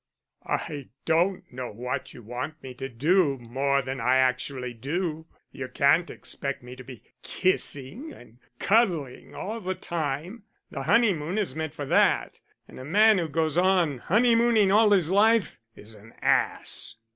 "I don't know what you want me to do more than I actually do. You can't expect me to be kissing and cuddling all the time. The honeymoon is meant for that, and a man who goes on honeymooning all his life, is an ass."